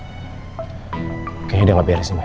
kayaknya udah gak beres nih mak